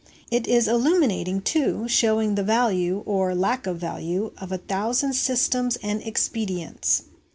It is illuminating, too, showing the value, or lack of value, of a thousand systems and expedients.